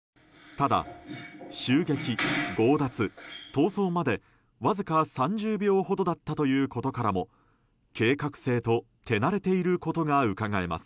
ただ、襲撃、強奪、逃走までわずか３０秒ほどだったというからも計画性と手馴れていることがうかがえます。